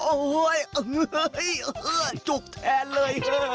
โอ้โหจุกแทนเลย